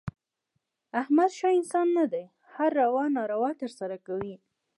احمد ښه انسان نه دی. هره روا ناروا ترسه کوي.